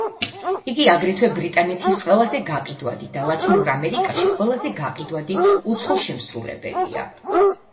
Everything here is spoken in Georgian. იგი აგრეთვე ბრიტანეთის ყველაზე გაყიდვადი და ლათინურ ამერიკაში ყველაზე გაყიდვადი უცხო შემსრულებელია.